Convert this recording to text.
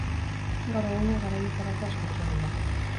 Gaur egungo garaietarako askotxo dira.